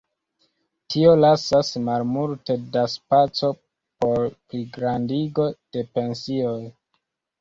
Tio lasas malmulte da spaco por pligrandigo de pensioj.